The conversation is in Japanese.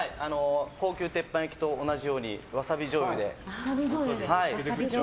高級鉄板焼きと同じようにワサビじょうゆで。